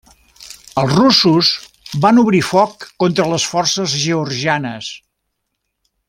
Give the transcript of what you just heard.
Els russos van obrir foc contra les forces georgianes.